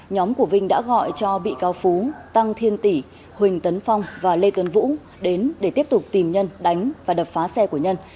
nhóm của vinh đã gọi cho bị cáo phú tăng thiên tỷ huỳnh tấn phong và lê tuấn vũ đến để tiếp tục tìm nhân đánh và đập phá xe của nhân